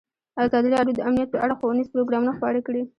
ازادي راډیو د امنیت په اړه ښوونیز پروګرامونه خپاره کړي.